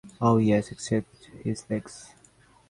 Oh, yes, except his legs.